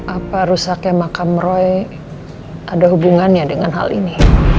apa rusaknya makam roy ada hubungannya dengan hal ini